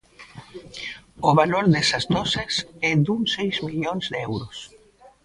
O valor desas doses é duns seis millóns de euros.